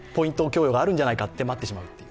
供与があるんじゃないかと待ってしまうと。